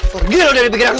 pergi lo dari pikiran mama